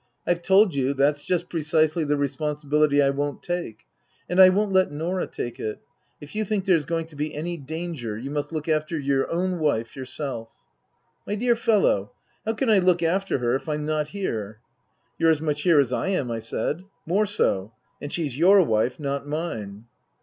I've told you that's just precisely the responsibility I won't take. And I won't let Nora/h take it. If you think there's going to be any danger you must look after your own wife yourself." " My dear fellow, how can I look after her if I'm not here ?"" You're as much here as I am," I said. " More so. And she's your wife, not mine."